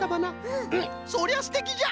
うんそりゃすてきじゃ！